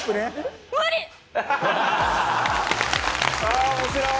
ああ面白い！